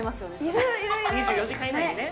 ２４時間以内にね